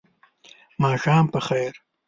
ماښام په خیر !